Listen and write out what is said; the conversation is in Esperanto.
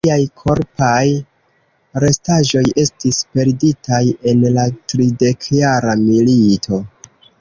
Liaj korpaj restaĵoj estis perditaj en la Tridekjara Milito.